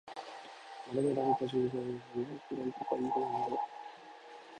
丸められた従業員用のエプロンとか色々